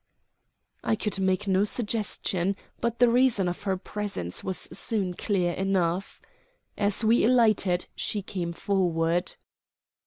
I could make no suggestion; but the reason of her presence was soon clear enough. As we alighted she came forward.